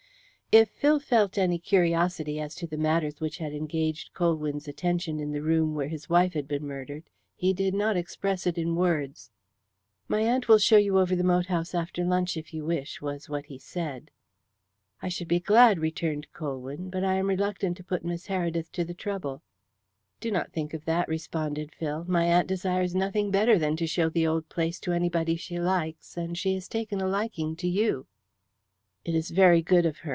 If Phil felt any curiosity as to the matters which had engaged Colwyn's attention in the room where his wife had been murdered, he did not express it in words. "My aunt will show you over the moat house after lunch, if you wish," was what he said. "I should be glad," returned Colwyn. "But I am reluctant to put Miss Heredith to the trouble." "Do not think of that," responded Phil. "My aunt desires nothing better than to show the old place to anybody she likes. And she has taken a liking to you." "It is very good of her.